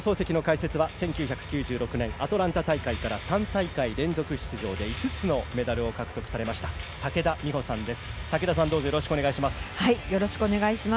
解説は１９９６年アトランタ大会から３大会連続出場で５つのメダルを獲得されました武田美保さんです。